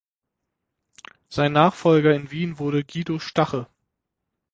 Sein Nachfolger in Wien wurde Guido Stache.